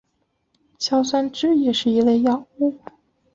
硝酸酯也是一类药物。